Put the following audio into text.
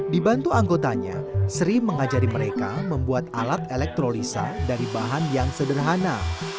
dibantu anggotanya sri mengajari mereka membuat alat elektrolisa dari bahan yang sederhana